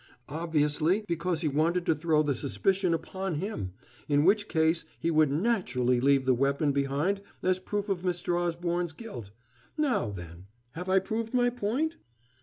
Obviously, because he wanted to throw the suspicion upon him in which case he would naturally leave the weapon behind as proof of Mr. Osborne's guilt. Now, then, have I proved my point?"